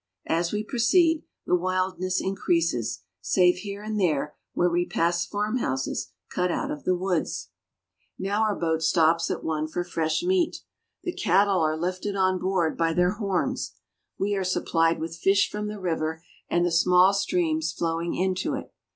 As we proceed, the wildness increases, save here and there where we pass farmhouses cut out of the woods. 244 BRAZIL. Now our boat stops at one for fresh meat. The cattle are lifted on board by their horns. We are suppHed with fish from the river and the small streams flowing into it.